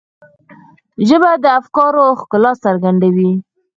ژبه د افکارو ښکلا څرګندوي